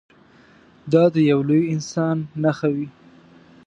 دا د یوه لوی انسان نښه وي.